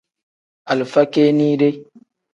Alifa kinide.